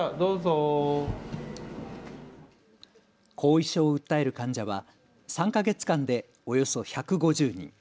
後遺症を訴える患者は３か月間でおよそ１５０人。